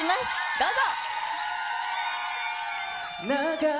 どうぞ。